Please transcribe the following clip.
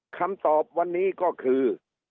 คำตอบวันนี้ก็คือ